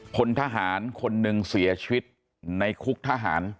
พลทหารคนหนึ่งเสียชีวิตในคุกทหาร